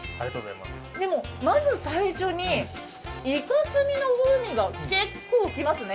でもまず最初にイカスミの風味がけっこうきますね。